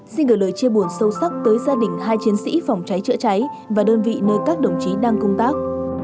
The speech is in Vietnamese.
xin gửi lời chia buồn sâu sắc tới gia đình hai chiến sĩ phòng cháy chữa cháy và đơn vị nơi các đồng chí đang công tác